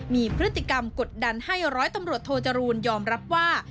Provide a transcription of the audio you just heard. มีพฤติกรรมกดดันให้ร้อยตำรวจโทจรูลยอมรับว่า